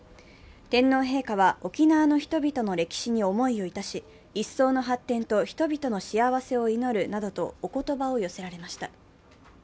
天皇陛下は、沖縄の人々の歴史に思いを致し、一層の発展と人々の幸せを祈るなどとおことばを寄せられました。